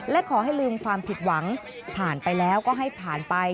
และขอให้ลืมความผิดหวังผ่านไปแล้วก็ให้ผ่านไป